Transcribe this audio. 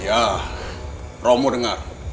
ya romo dengar